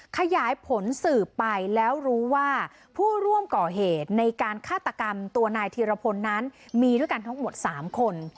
ขยายผลสืบไปแล้วรู้ว่าผู้ร่วมก่อเหตุในการฆาตกรรมตัวนายธีรพลนั้นมีด้วยกันทั้งหมด๓คน